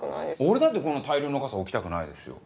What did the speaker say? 俺だってこんな大量の傘置きたくないですよ。